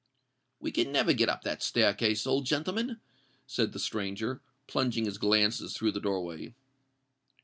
"We never can get up that staircase, old gentleman," said the stranger, plunging his glances through the door way.